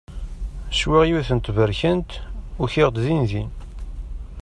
Swiɣ yiwet n tberkant, ukiɣ-d din din.